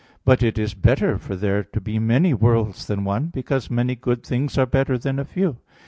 But it is better for there to be many worlds than one, because many good things are better than a few.